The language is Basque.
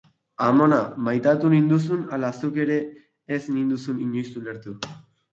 Amona, maitatu ninduzun, ala zuk ere ez ninduzun inoiz ulertu?